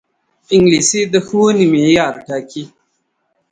انګلیسي د ښوونې معیار ټاکي